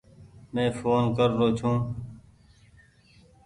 مين ڦون ڪر رو ڇون ۔